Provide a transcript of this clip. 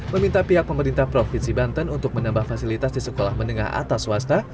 meminta pihak pemerintah provinsi banten untuk menambah fasilitas di sekolah menengah atas swasta